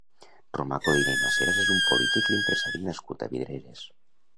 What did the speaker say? Romà Codina i Maseras és un polític i empresari nascut a Vidreres.